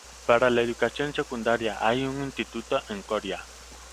Para la educación secundaria hay un instituto en Coria.